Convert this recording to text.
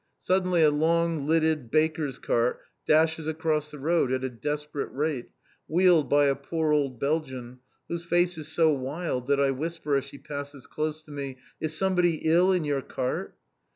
Suddenly, a long, lidded, baker's cart dashes across the road at a desperate rate, wheeled by a poor old Belgian, whose face is so wild, that I whisper as she passes close to me: "Is somebody ill in your cart?"